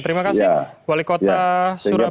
terima kasih wali kota surabaya